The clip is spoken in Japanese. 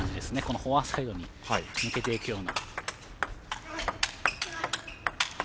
フォアサイドに抜けていくような。